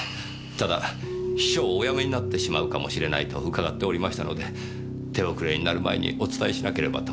ただ秘書をお辞めになってしまうかもしれないと伺っておりましたので手遅れになる前にお伝えしなければと。